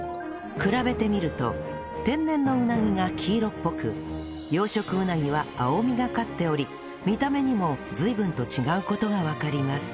比べてみると天然のうなぎが黄色っぽく養殖うなぎは青みがかっており見た目にも随分と違う事がわかります